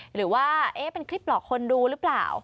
หรือว่าเป็นคลิปหลอกคนดูหรือเปล่า